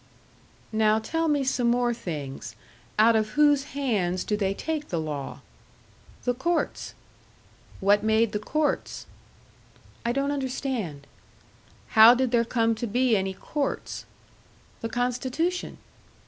"Now tell me some more things. Out of whose hands do they take the law?" "The court's." "What made the courts?" "I don't understand." "How did there come to be any courts?" "The Constitution."